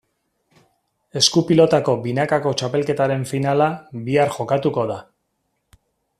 Esku-pilotako binakako txapelketaren finala bihar jokatuko da.